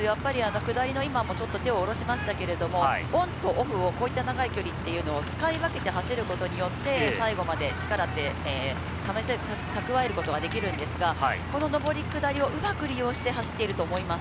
下りの今、手を下ろしましたが、オンとオフをこういった長い距離は使い分けて走ることによって、最後まで力って蓄えることができるんですが、この上り下りをうまく利用して走っていると思います。